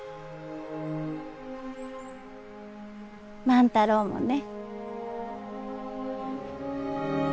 万太郎もね。